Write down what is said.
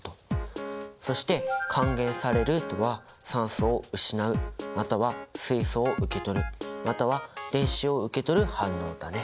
そして還元されるとは酸素を失うまたは水素を受け取るまたは電子を受け取る反応だね。